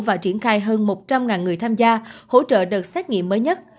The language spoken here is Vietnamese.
và triển khai hơn một trăm linh người tham gia hỗ trợ đợt xét nghiệm mới nhất